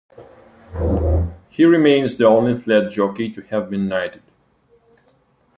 He remains the only flat jockey to have been knighted.